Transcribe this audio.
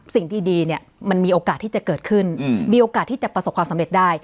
สิ่งดีเนี่ยมันมีโอกาสที่จะเกิดขึ้นมีโอกาสที่จะประสบความสำเร็จได้